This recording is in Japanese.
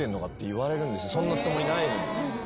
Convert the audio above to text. そんなつもりないのに。